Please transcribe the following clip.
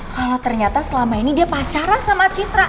kalau ternyata selama ini dia pacaran sama citra